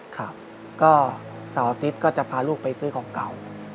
ครับก็เสาร์อาทิตย์ก็จะพาลูกไปซื้อของเก่า